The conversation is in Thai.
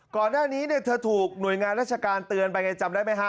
ก่อนหน้านี้เธอถูกหน่วยงานราชการเตือนไปไงจำได้ไหมฮะ